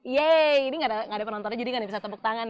yeay ini gak ada penontonnya jadi gak bisa tepuk tangan ya